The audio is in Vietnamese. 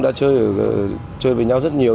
đã chơi với nhau rất nhiều